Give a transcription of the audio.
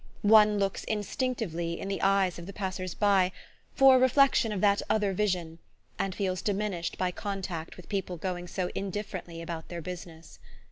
One looks instinctively, in the eyes of the passers by, for a reflection of that other vision, and feels diminished by contact with people going so indifferently about their business.